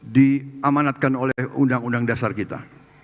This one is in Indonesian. diamanatkan oleh undang undang dasar kita